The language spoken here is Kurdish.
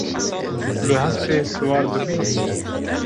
Tu li hespê siwar dibî?